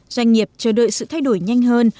doanh nghiệp chờ đợi sự thay đổi nhanh hơn